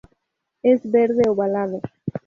Es verde, ovalado.